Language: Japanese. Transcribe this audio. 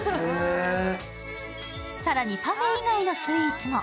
更にパフェ以外のスイーツも。